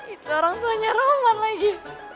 itu orang tuanya rawan lagi